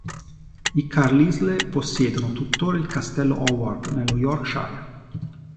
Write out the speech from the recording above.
I Carlisle possiedono tuttora il castello Howard nello Yorkshire.